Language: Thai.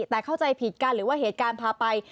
แต่เข้าใจผิดกันหรือว่าเหตุการณ์พาไป